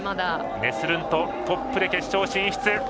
ネスルント、トップで決勝進出。